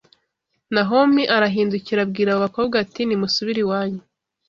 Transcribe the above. Nawomi arahindukira abwira abo bakobwa ati ‘nimusubire iwanyu